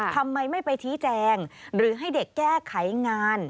ทำไมไม่ไปชี้แจงหรือให้เด็กแก้ไขงาน